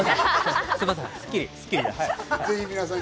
『スッキリ』です。